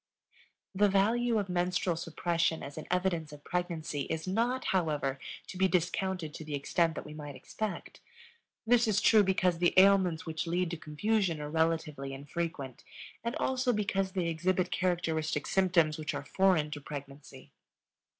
The value of menstrual suppression as an evidence of pregnancy is not, however, to be discounted to the extent that we might expect. This is true because the ailments which lead to confusion are relatively infrequent, and also because they exhibit characteristic symptoms which are foreign to pregnancy.